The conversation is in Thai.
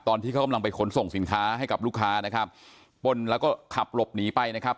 ตอนที่เขากำลังไปขนส่งสินค้าให้กับลูกค้านะครับป้นแล้วก็ขับหลบหนีไปนะครับ